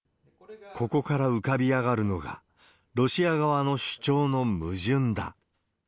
ここから浮かび上がるのが、ロシア側の主張の矛盾だ。